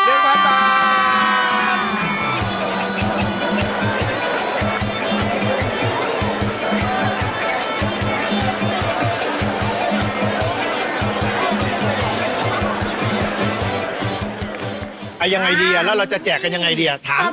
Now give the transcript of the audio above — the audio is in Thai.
อะไรยังไงดีอ่ะแล้วเราจะแจกกันยังไงดีถามคำถาม